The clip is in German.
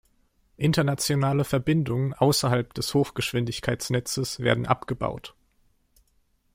Internationale Verbindungen außerhalb des Hochgeschwindigkeitsnetzes werden abgebaut.